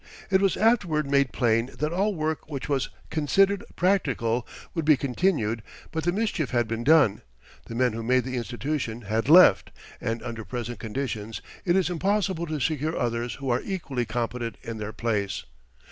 It was afterward made plain that all work which was considered practical would be continued, but the mischief had been done, the men who made the institution had left, and under present conditions it is impossible to secure others who are equally competent in their place.